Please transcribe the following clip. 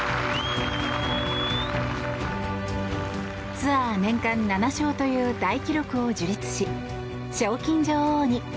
ツアー年間７勝という大記録を樹立し、賞金女王に。